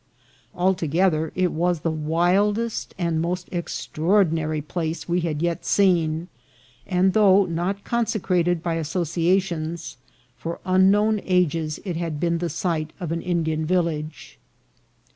Alto gether it was the wildest and most extraordinary place we had yet seen, and though not consecrated by asso ciations, for unknown ages it had been the site of an Indian village.